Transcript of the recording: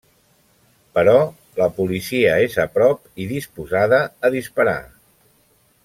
Però la policia és a prop i disposada a disparar.